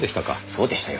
そうでしたよ。